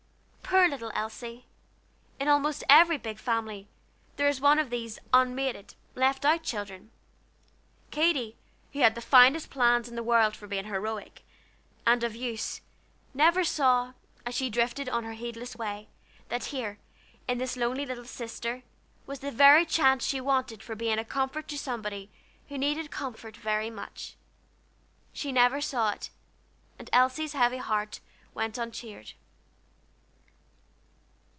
Poor little Elsie! In almost every big family, there is one of these unmated, left out children. Katy, who had the finest plans in the world for being "heroic," and of use, never saw, as she drifted on her heedless way, that here, in this lonely little sister, was the very chance she wanted for being a comfort to somebody who needed comfort very much. She never saw it, and Elsie's heavy heart went uncheered.